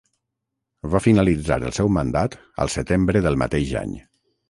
Va finalitzar el seu mandat al setembre del mateix any.